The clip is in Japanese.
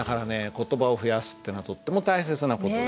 言葉を増やすってのはとっても大切な事です。